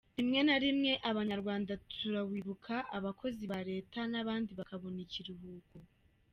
Rimwe na rimwe Abanyarwanda turawibuka, abakozi ba leta n’abandi bakabona ikiruhuko.